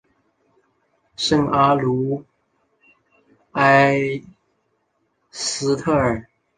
圣阿卢埃斯特尔。